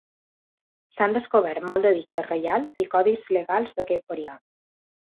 S'han descobert molts edictes reials i codis legals d'aquest període.